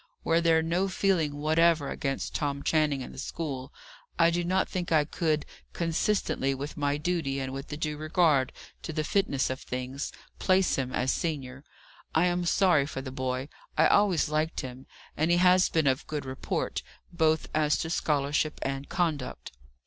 Were there no feeling whatever against Tom Channing in the school, I do not think I could, consistently with my duty and with a due regard to the fitness of things, place him as senior. I am sorry for the boy; I always liked him; and he has been of good report, both as to scholarship and conduct."